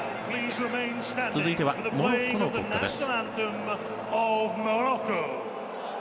続いてはモロッコの国歌です。